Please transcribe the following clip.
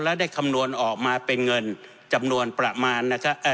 และได้คำนวณออกมาเป็นเงินจำนวนประมาณนะครับเอ่อ